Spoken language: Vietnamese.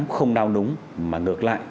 không nào núng mà ngược lại